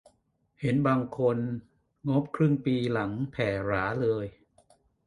เห็นบางคนงบครึ่งปีหลังแผ่หราเลย